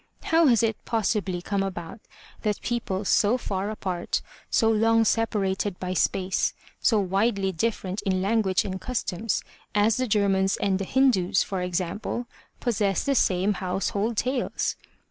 How has it possibly come about that peoples so far apart, so long separated by space, so widely different in lan guage and customs, as the Germans and the Hindoos for example, possess the same household tales?